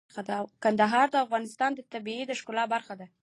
کندهار د افغانستان د طبیعت د ښکلا برخه ده.